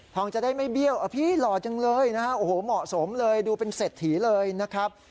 จะได้ไม่เบี้ยวอะพี่หล่อจังเลยนะฮะโอ้โหเหมาะสมเลยดูเป็นเศรษฐีเลยนะครับ